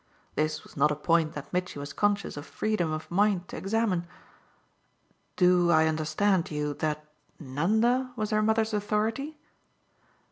This was not a point that Mitchy was conscious of freedom of mind to examine. "Do I understand you that Nanda was her mother's authority